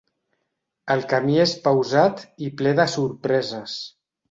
El camí és pausat i ple de sorpreses.